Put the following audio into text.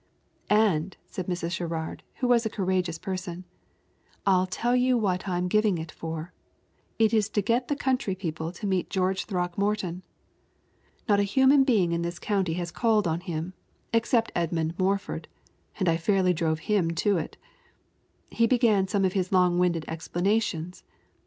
"And," said Mrs. Sherrard, who was a courageous person, "I'll tell you what I am giving it for. It is to get the county people to meet George Throckmorton. Not a human being in the county has called on him, except Edmund Morford, and I fairly drove him to it. He began some of his long winded explanations.